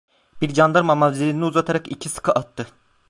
Bir candarma mavzerini uzatarak iki sıkı attı.